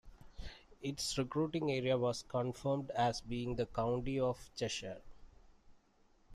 Its recruiting area was confirmed as being the County of Cheshire.